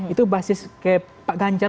itu basis kayak pak ganjar